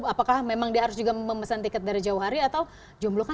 apakah memang dia harus juga memesan tiket dari jauh hari atau jumlahnya